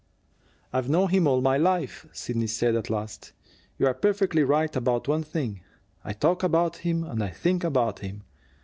"I've known him all my life," Sidney said at last. "You're perfectly right about one thing: I talk about him and I think about him.